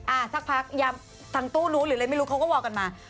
อ่าสักพักอย่าทั้งตู้นู้นหรืออะไรไม่รู้เขาก็ว่ากันมา